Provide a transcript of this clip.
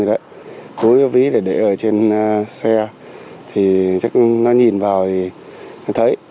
lối với vít để ở trên xe thì chắc nó nhìn vào thì nó thấy